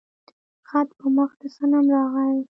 خط په مخ د صنم راغى